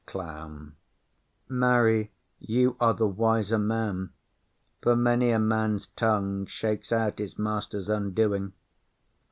CLOWN. Marry, you are the wiser man; for many a man's tongue shakes out his master's undoing.